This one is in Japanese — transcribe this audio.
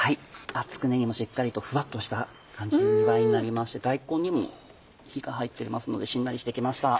つくねにもしっかりとふわっとした感じになりまして大根にも火が入っていますのでしんなりして来ました。